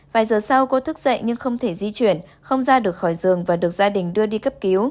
vài giờ sau cô thức dậy nhưng không thể di chuyển không ra được khỏi giường và được gia đình đưa đi cấp cứu